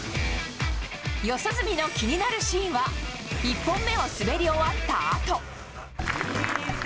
四十住の気になるシーンは１本目を滑り終わったあと。